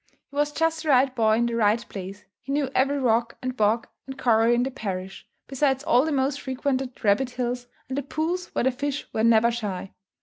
He was just the right boy in the right place; he knew every rock, and bog, and corrie in the parish, besides all the most frequented rabbit hills, and the pools where the fish were never shy.